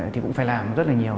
thì cũng phải làm rất là nhiều